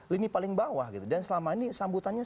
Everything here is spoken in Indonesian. lini paling bawah gitu dan selama ini sambutannya